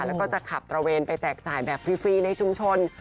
แล้วก็จะขับตระเวนไปแจกจ่ายแบบฟรีในชุมชน